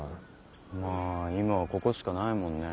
まあ今はここしかないもんね。